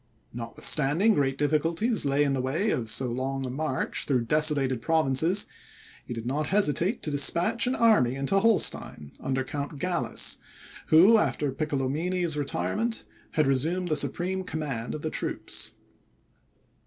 Notwithstanding great difficulties lay in the way of so long a march through desolated provinces, he did not hesitate to despatch an army into Holstein under Count Gallas, who, after Piccolomini's retirement, had resumed the supreme command of the troops.